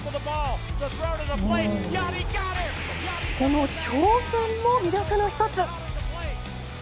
この強肩も魅力の１つ。